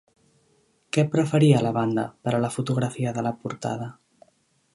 Què preferia la banda per a la fotografia de la portada?